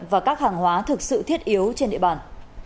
và các hàng hóa thực sự thiết yếu trên địa bàn